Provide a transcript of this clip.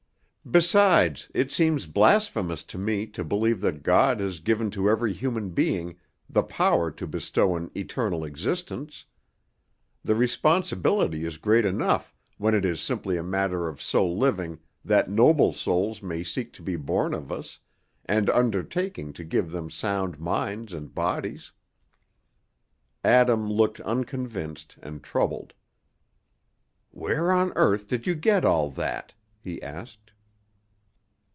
Besides, it seems blasphemous to me to believe that God has given to every human being the power to bestow an eternal existence. The responsibility is great enough when it is simply a matter of so living that noble souls may seek to be born of us, and undertaking to give them sound minds and bodies." Adam looked unconvinced and troubled. "Where on earth did you get all that?" he asked.